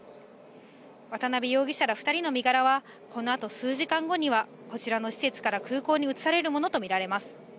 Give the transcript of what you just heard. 渡辺容疑者ら２人の身柄は、このあと数時間後には、こちらの施設から空港に移されるものと見られます。